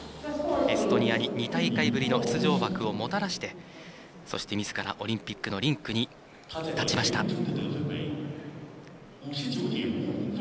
エストニアに２大会ぶりの出場枠をもたらしてそして、みずからオリンピックのリンクに立ちました。